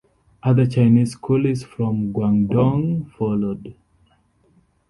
Other Chinese coolies from Guangdong followed.